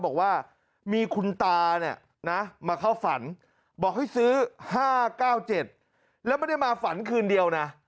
บอกว่ามีคุณตาเนี่ยนะมาเข้าฝันบอกให้ซื้อ๕๙๗แล้วไม่ได้มาฝันคืนเดียวนะ